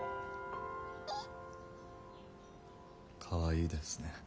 かわいいですね。